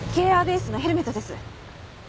ＫＲＳのヘルメットです。